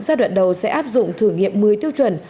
giai đoạn đầu sẽ áp dụng thử nghiệm một mươi tiêu chuẩn